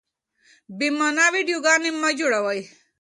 بې مانا ويډيوګانې مه جوړوئ.